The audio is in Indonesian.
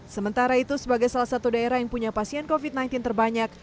sementara itu sebagai salah satu daerah yang punya pasien covid sembilan belas terbanyak